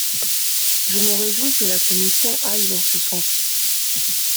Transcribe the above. Je me réjouis que la commission aille dans ce sens.